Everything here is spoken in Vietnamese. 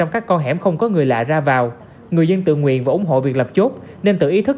một trăm linh các con hẻm không có người lạ ra vào người dân tự nguyện và ủng hộ việc lập chốt nên tự ý thức